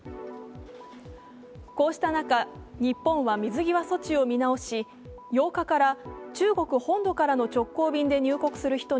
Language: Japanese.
こうした中、日本は水際措置を見直し、８日から中国本土からの直行便で入国する人に